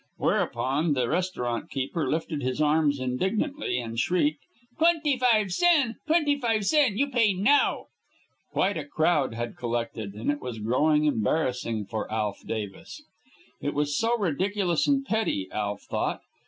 Whereupon the restaurant keeper lifted his arms indignantly and shrieked: "Twenty five sen! Twenty five sen! You pay now!" Quite a crowd had collected, and it was growing embarrassing for Alf Davis. It was so ridiculous and petty, Alf thought.